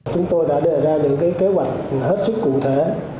chúng tôi đã đề ra những kế hoạch hết sức cụ thể